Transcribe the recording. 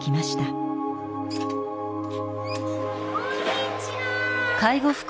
あっこんにちは。